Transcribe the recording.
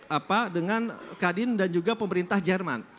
apa dengan kadin dan juga pemerintah jerman